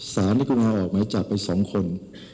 ศาลนิคุณาออกมาจับไป๒คน